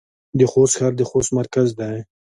د خوست ښار د خوست مرکز دی